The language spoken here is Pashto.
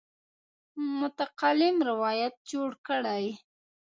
متکلم روایت جوړ کړی.